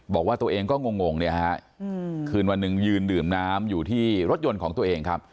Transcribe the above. บอกว่าตัวเองก็งงเนี่ยฮะคืนวันหนึ่งยืนดื่มน้ำอยู่ที่รถยนต์ของตัวเองครับ